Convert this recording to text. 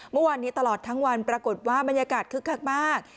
เมื่อวานนี้ตลอดทั้งวันปรากฏว่าบรรยากาศคึกคักมาก